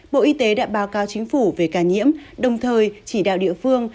bộ y tế đã báo cáo chính phủ về ca nhiễm đồng thời chỉ đạo địa phương